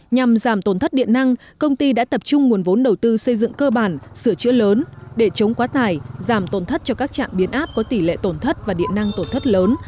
nhằm giảm tổn thất điện năng công ty đã tập trung nguồn vốn đầu tư xây dựng cơ bản sửa chữa lớn để chống quá tải giảm tổn thất cho các trạm biến áp có tỷ lệ tổn thất và điện năng tổn thất lớn